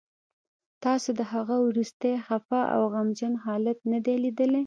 تاسو د هغه وروستی خفه او غمجن حالت نه دی لیدلی